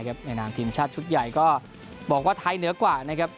แข่งวันนี้ได้แค่หลงทีมชาติชุดใหญ่ก็บอกว่าไทยเหนือกว่านะครับ